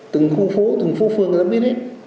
từng khu phố từng phố phương người ta biết hết